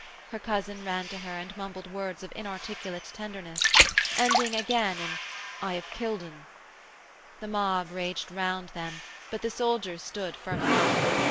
Her cousin ran to her and mumbled words of inarticulate tenderness, ending again in 'I have killed 'un.' The mob raged round them, but the soldiers stood firm enough.